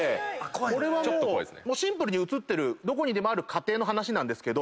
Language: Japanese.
これはもうシンプルに写ってるどこにでもある家庭の話なんですけど